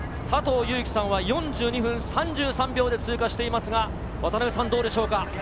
佐藤悠基さんは４２分３３秒で通過していますが、渡辺さんどうでしょうか？